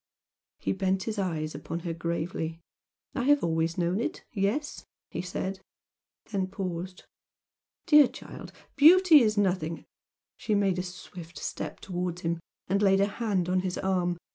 He bent his eyes upon her gravely. "I have always known it yes!" he said, then paused "Dear child, beauty is nothing " She made a swift step towards him and laid a hand on his arm.